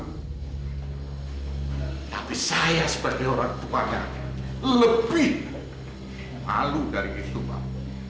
tapi saya sebagai orang tuanya lebih malu dari itu bang